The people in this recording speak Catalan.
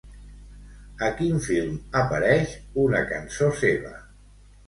A quin film apareix una cançó seva?